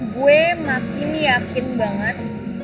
gue makin yakin banget